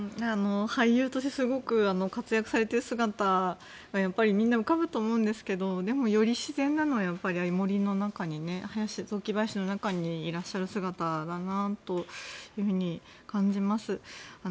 俳優としてすごく活躍されている姿がやっぱりみんな浮かぶと思うんですけどでもより自然なのは森の中に、雑木林の中にいらっしゃる姿だなと感じます。